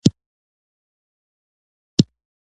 خو همکاري تل داوطلبانه نه وه.